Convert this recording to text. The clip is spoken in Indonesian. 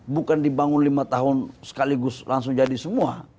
bukan dibangun lima tahun sekaligus langsung jadi semua